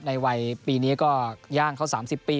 ในวัยปีนี้ก็ย่างเขา๓๐ปี